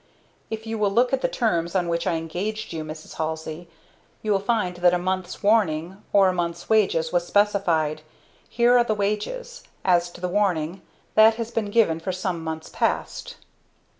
"If you will look at the terms on which I engaged you, Mrs. Halsey, you will find that a month's warning, or a month's wages, was specified. Here are the wages as to the warning, that has been given for some months past!"